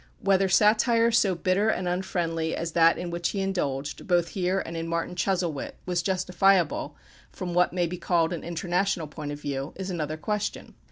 Whether satire so bitter and unfriendly as that in which he indulged, both here and in "Martin Chuzzlewit," was justifiable from what may be called an international point of view, is another question.